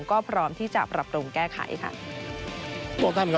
ก็พร้อมที่จะปรับปรุงแก้ไขค่ะ